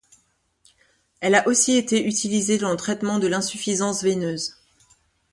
Elle a aussi été utilisée dans le traitement de l'insuffisance veineuse.